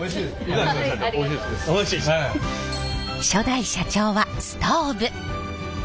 初代社長はストーブ。